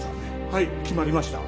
はい決まりました。